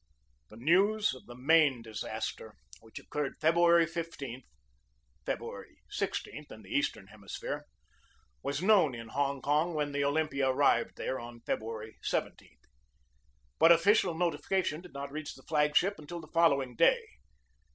The news of the Maine disaster, which occurred February 15 (February 16 in the eastern hemi sphere), was known in Hong Kong when the Olym pia arrived there on February 17. But official notification did not reach the flag ship until the following day.